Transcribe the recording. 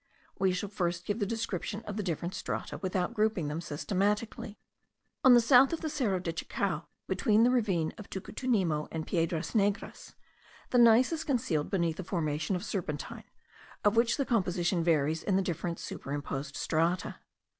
We shall first give the description of the different strata, without grouping them systematically. On the south of the Cerro de Chacao, between the ravine of Tucutunemo and Piedras Negras, the gneiss is concealed beneath a formation of serpentine, of which the composition varies in the different superimposed strata.